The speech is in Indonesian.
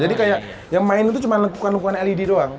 jadi kayak yang main itu cuma lengkuan lengkuan led doang